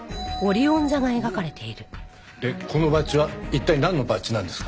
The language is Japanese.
でこのバッジは一体なんのバッジなんですか？